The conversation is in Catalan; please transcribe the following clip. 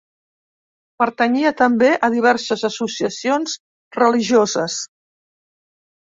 Pertanyia també a diverses associacions religioses.